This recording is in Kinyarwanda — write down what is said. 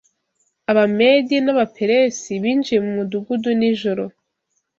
Abamedi n’Abaperesi binjiye mu mudugudu nijoro